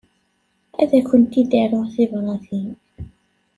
Ad akent-id-aruɣ tibratin.